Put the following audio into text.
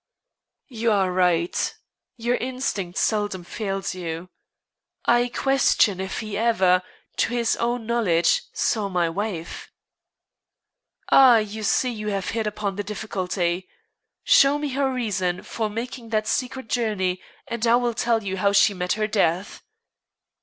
"You are right. Your instinct seldom fails you. I question if he ever, to his own knowledge, saw my wife." "Ah! You see you have hit upon the difficulty. Show me her reason for making that secret journey, and I will tell you how she met her death."